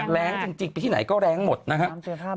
แรงจริงไปที่ไหนก็แรงหมดนะครับ